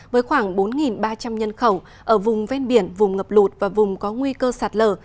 với khoảng bốn ba trăm linh nhân khẩu ở vùng ven biển vùng ngập lụt và vùng có nguy cơ sạt lở